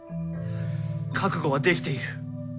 覚悟はできている。